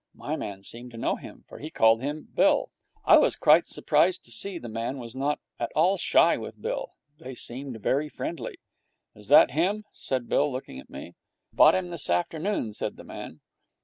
My man seemed to know him, for he called him Bill. I was quite surprised to see the man was not at all shy with Bill. They seemed very friendly. 'Is that him?' said Bill, looking at me. 'Bought him this afternoon,' said the man.